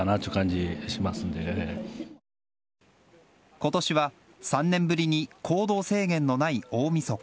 今年は３年ぶりに行動制限のない大みそか。